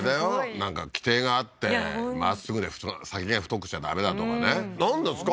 なんか規定があってまっすぐで先が太くしちゃダメだとかねなんですか？